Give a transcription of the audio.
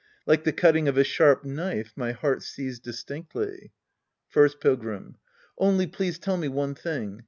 like the cutting of a sharp knife, my heart sees distinctly. First Pilgrim. Only please tell me one thing.